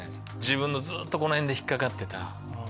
自分のずっとこの辺で引っかかってた。